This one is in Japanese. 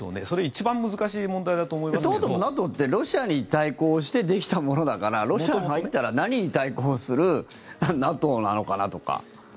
それ、一番難しい問題だとそもそもＮＡＴＯってロシアに対抗してできたものだからロシア入ったら、何に対抗するＮＡＴＯなのかなとか。